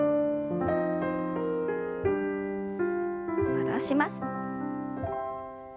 戻します。